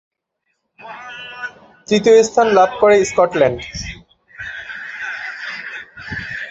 তৃতীয় স্থান লাভ করে স্কটল্যান্ড।